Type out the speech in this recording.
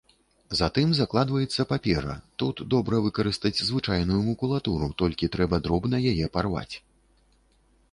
Затым закладваецца папера, тут добра выкарыстаць звычайную макулатуру, толькі трэба дробна яе парваць.